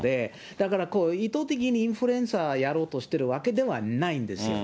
だから意図的にインフルエンサーやろうとしているわけではないん